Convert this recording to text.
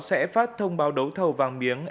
sẽ phát thông báo đấu thầu vàng miếng